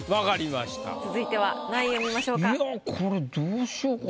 続いては何位を見ましょうか？